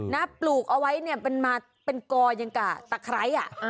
นับปลูกเอาไว้เป็นกรอยังกับตะไคร้